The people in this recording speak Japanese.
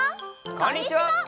こんにちは！